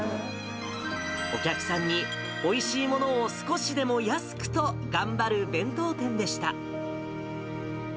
お客さんにおいしいものを少しでも安くと頑張る弁当店でした。